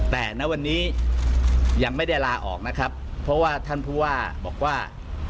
แต่ณวันนี้ยังไม่ได้ลาออกนะครับเพราะว่าท่านผู้ว่าบอกว่า